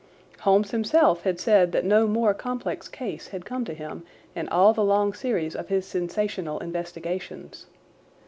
Holmes himself had said that no more complex case had come to him in all the long series of his sensational investigations.